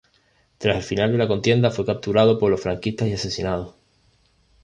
Tras el final de la contienda fue capturado por los franquistas y asesinado.